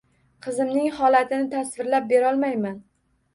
Qizimning holatini tasvirlab berolmayman